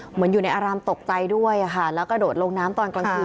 เหมือนอยู่ในอารามตกใจด้วยค่ะแล้วกระโดดลงน้ำตอนกลางคืน